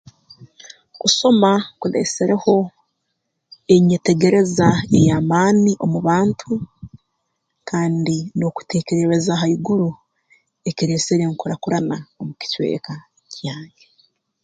Kusoma kuleesereho enyetegereza ey'amaani omu bantu kandi n'okuteekerereza haiguru ekireesere enkurakurana omu kicweka kyange